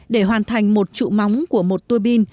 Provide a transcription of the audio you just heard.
để hoàn thành một trụ móng của một tua bin